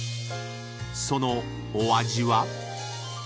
［そのお味は？］